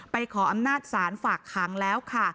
ขออำนาจศาลฝากขังแล้วค่ะ